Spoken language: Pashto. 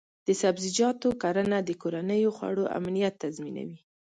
د سبزیجاتو کرنه د کورنیو د خوړو امنیت تضمینوي.